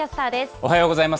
おはようございます。